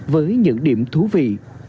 với những điểm thú vị